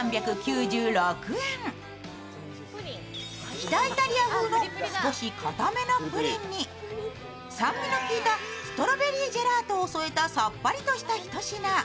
北イタリア風の少し固めのプリンに酸味の効いたストロベリージェラートを添えたさっぱりとしたひと品。